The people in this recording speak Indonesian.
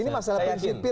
ini masalah pribadi